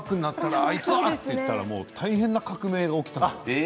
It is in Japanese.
あいつはと思っていたら大変な革命が起きた。